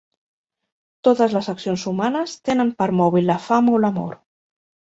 Totes les accions humanes tenen per mòbil la fam o l'amor.